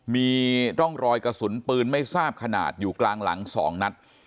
มีร่องรอยกระสุนปืนไม่ทราบขนาดอยู่กลางหลัง๒นัด